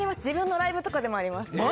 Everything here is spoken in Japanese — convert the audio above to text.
自分のライブとかでもあります。